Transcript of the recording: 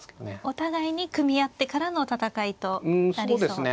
お互いに組み合ってからの戦いとなりそうですか。